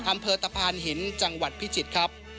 อำเภอตะพานหินจังหวัดพิจิตรครับ